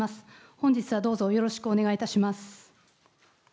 本日はどうぞよろしくお願いします。